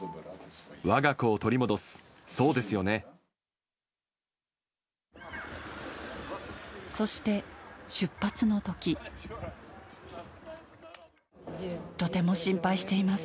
わが子を取り戻す、そして、とても心配しています。